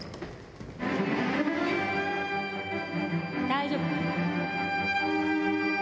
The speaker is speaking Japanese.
大丈夫。